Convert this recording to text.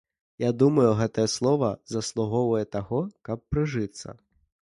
Я думаю, гэтае слова заслугоўвае таго, каб прыжыцца.